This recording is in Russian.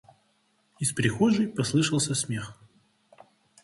Из прихожей послышался смех.